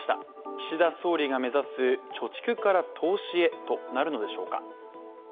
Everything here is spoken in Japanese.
岸田総理が目指す「貯蓄から投資へ」となるのでしょうか。